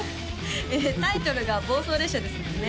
えタイトルが「暴走列車」ですもんね